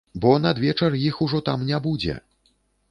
Бо надвечар іх ужо там не будзе!